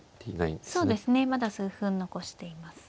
そうですねまだ数分残しています。